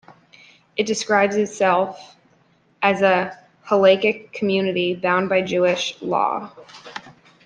It describes itself as a "hallachic community bound by Jewish law".